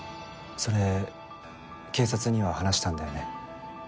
それ警察には話したんだよね？